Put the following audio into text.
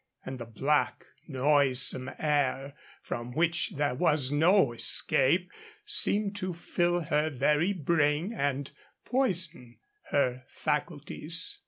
And the black, noisome air, from which there was no escape, seemed to fill her very brain and poison her faculties.